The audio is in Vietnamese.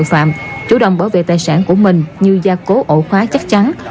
chủ phạm chủ động bảo vệ tài sản của mình như gia cố ổ khóa chắc chắn